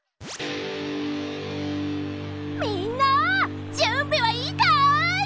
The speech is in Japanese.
みんなじゅんびはいいかい！